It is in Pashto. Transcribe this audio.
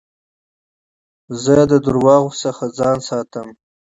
زه له درواغو څخه ځان ساتم.